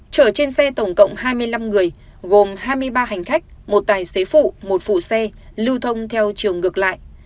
chở trên xe tổng cộng hai mươi năm người gồm hai mươi ba hành khách một tài xế phụ một phụ xe lưu thông theo chiều ngược lại